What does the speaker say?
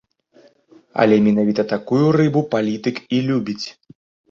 Але менавіта такую рыбу палітык і любіць.